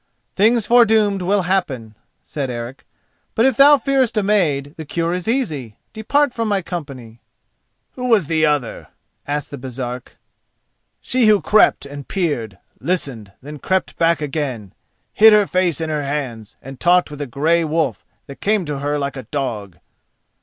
"Things foredoomed will happen," said Eric; "but if thou fearest a maid, the cure is easy: depart from my company." "Who was the other?" asked the Baresark—"she who crept and peered, listened, then crept back again, hid her face in her hands, and talked with a grey wolf that came to her like a dog?"